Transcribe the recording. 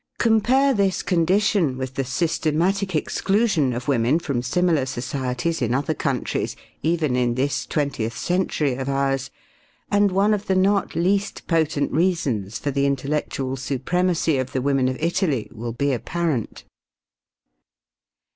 Compare this condition with the systematic exclusion of women from similar societies in other countries even in this twentieth century of ours and one of the not least potent reasons for the intellectual supremacy of the women of Italy will be apparent.